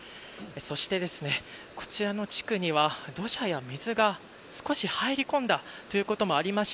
そして、こちらの地区には土砂や水が少し入り込んだということもあり